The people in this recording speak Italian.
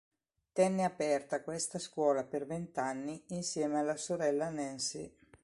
Tenne aperta questa scuola per vent'anni insieme alla sorella Nancy.